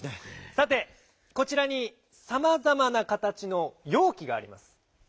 さてこちらにさまざまなかたちのようきがあります。